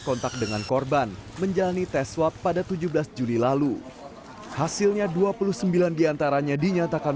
kontak dengan korban menjalani tes swab pada tujuh belas juli lalu hasilnya dua puluh sembilan diantaranya dinyatakan